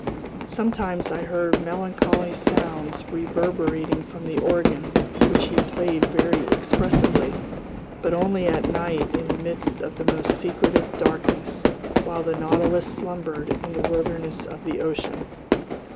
Sometimes I heard melancholy sounds reverberating from the organ, which he played very expressively, but only at night in the midst of the most secretive darkness, while the Nautilus slumbered in the wilderness of the ocean.